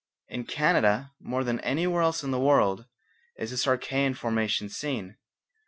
In Canada, more than anywhere else in the world, is this Archaean formation seen.